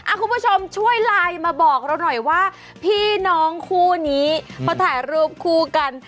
คุณผู้ชมช่วยไลน์มาบอกเราหน่อยว่าพี่น้องคู่นี้เขาถ่ายรูปคู่กัน